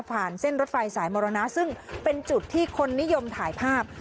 เส้นรถไฟสายมรณะซึ่งเป็นจุดที่คนนิยมถ่ายภาพ